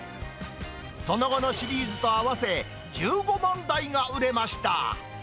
その後のシリーズと合わせ、１５万台が売れました。